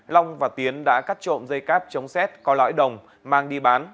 long và tiến đã cắt trộm dây cáp chống xét có lõi đồng mang đi bán